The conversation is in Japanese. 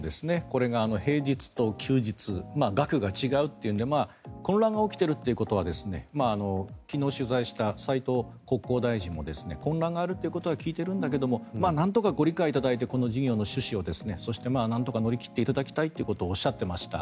これが平日と休日額が違うというので混乱が起きているということは昨日取材した斉藤国交大臣は混乱が起こることは聞いているんだけどもなんとかご理解いただいてこの事業の趣旨をそして、なんとか乗り切っていただきたいとおっしゃっていました。